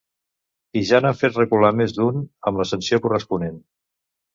I ja n’han fet recular més d’un, amb la sanció corresponent.